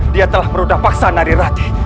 dia telah merudah paksa nari rati